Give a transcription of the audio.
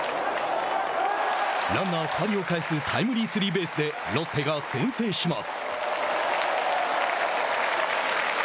ランナー２人を帰すタイムリースリーベースでロッテが先制します。